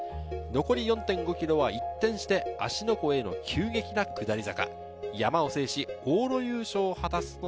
残り４．５ｋｍは一転して、芦ノ湖への急激な下り坂。